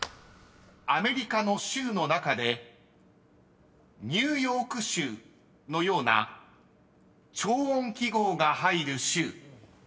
［アメリカの州の中で「ニューヨーク州」のような長音記号が入る州１つ答えろ］